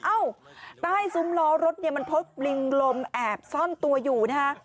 อ้าวใต้ซุมลอรถมันพบลิงลมแอบซ่อนตัวอยู่นะคะ